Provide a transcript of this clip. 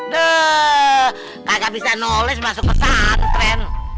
duh kagak bisa noles masuk ke tantren